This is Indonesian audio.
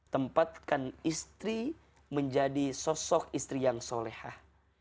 tempatkan istri menjadi sosok istri yang solehah